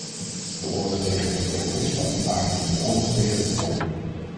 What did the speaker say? De oorlog tegen het terrorisme ontaardt in een oorlog tegen de bevolking.